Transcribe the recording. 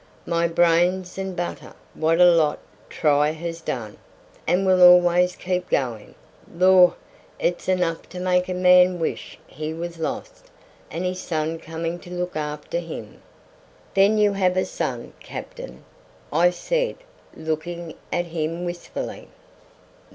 My brains and butter! what a lot `try' has done, and will always keep doing. Lor', it's enough to make a man wish he was lost, and his son coming to look after him." "Then you have a son, captain?" I said, looking at him wistfully.